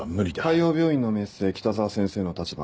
海王病院の名声北澤先生の立場